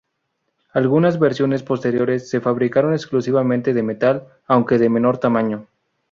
Algunas versiones posteriores se fabricaron exclusivamente de metal aunque de menor tamaño.